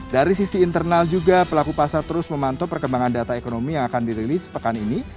dari sisi internal juga pelaku pasar terus memantau perkembangan data ekonomi yang akan dirilis pekan ini